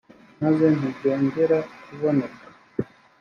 maze ntibyongera kuboneka